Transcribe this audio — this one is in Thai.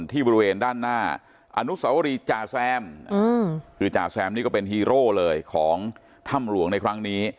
บริเวณด้านหน้าอนุสวรีจาแซมคือจ่าแซมนี่ก็เป็นฮีโร่เลยของถ้ำหลวงในครั้งนี้